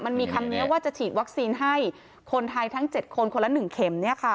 มันมีคำนี้ว่าจะฉีดวัคซีนให้คนไทยทั้ง๗คนคนละ๑เข็ม